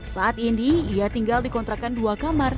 saat ini ia tinggal di kontrakan dua kamar